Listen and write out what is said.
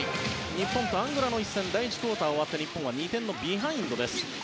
日本とアンゴラの一戦第１クオーターが終わって日本は２点のビハインドです。